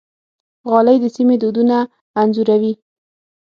غالۍ د سیمې دودونه انځوروي.